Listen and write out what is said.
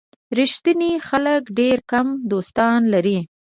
ریښتیني خلک ډېر کم دوستان لري.